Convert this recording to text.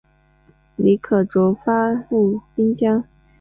李可灼发戍边疆。